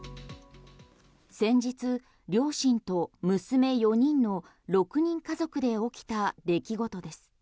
先日、両親と娘４人の６人家族で起きた出来事です。